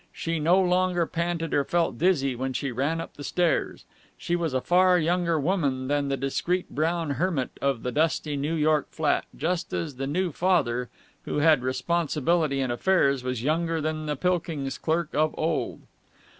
She no longer panted or felt dizzy when she ran up the stairs. She was a far younger woman than the discreet brown hermit of the dusty New York flat, just as the new Father, who had responsibility and affairs, was younger than the Pilkings clerk of old.